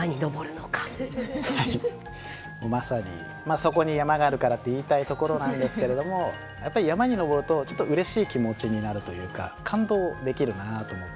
まさにそこに山があるからと言いたいところなんですけれどもやっぱり山に登るとちょっとうれしい気持ちになるというか感動できるなと思って。